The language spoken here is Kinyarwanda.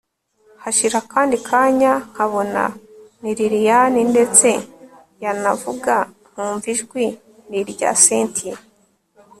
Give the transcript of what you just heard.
hashira akandi kanya nkabona ni lilian ndetse yanavuga nkumva ijwi ni irya cyntia